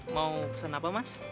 mau pesan apa mas